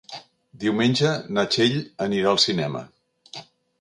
Diumenge na Txell anirà al cinema.